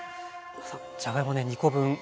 じゃがいもね２コ分。